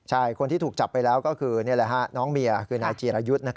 ใช่คนที่ถูกจับไปแล้วก็คือน้องเมียคือนายเจียระยุทธ์